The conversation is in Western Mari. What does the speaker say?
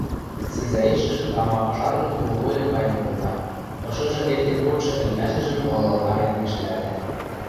сӹнзӓэшӹжӹ тама ыжаргын-кловойын кайын колта, ышыжы эртен кодшы ӹлӹмӓшӹжӹм валгалтарен ӓштӓлтӓ.